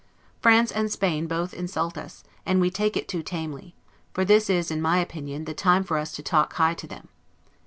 France and Spain both insult us, and we take it too tamely; for this is, in my opinion, the time for us to talk high to them.